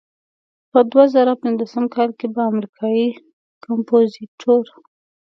په دوه زره پنځلسم کال کې به امریکایي کمپوزیتور.